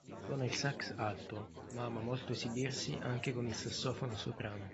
Suona il sax alto ma ama molto esibirsi anche con il sassofono soprano.